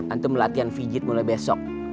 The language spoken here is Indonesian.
antum latihan fijit mulai besok